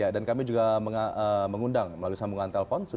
dan kami juga mengundang melalui sambungan telpon